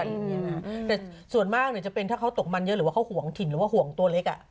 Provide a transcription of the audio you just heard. แต่ส่วนมากเนี่ยจะเป็นถ้าเขาตกมันเยอะหรือว่าเขาห่วงถิ่นหรือว่าห่วงตัวเล็กอ่ะ